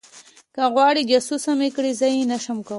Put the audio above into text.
که غواړې جاسوسه مې کړي زه یې نشم کولی